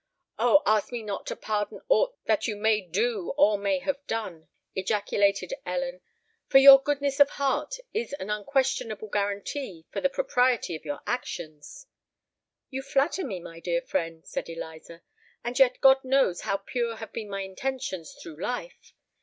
"Oh! ask me not to pardon aught that you may do or may have done!" ejaculated Ellen: "for your goodness of heart is an unquestionable guarantee for the propriety of your actions." "You flatter me, my dear friend," said Eliza; "and yet God knows how pure have been my intentions through life!